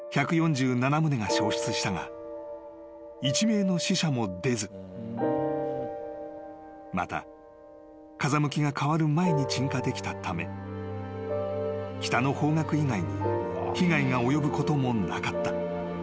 ［１名の死者も出ずまた風向きが変わる前に鎮火できたため北の方角以外に被害が及ぶこともなかった］